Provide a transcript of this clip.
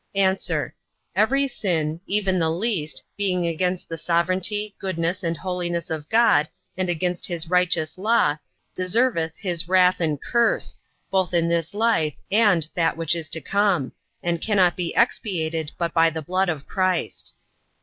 A. Every sin, even the least, being against the sovereignty, goodness, and holiness of God, and against his righteous law, deserveth his wrath and curse, both in this life, and that which is to come; and cannot be expiated but by the blood of Christ.